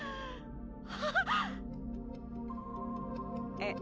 えっ？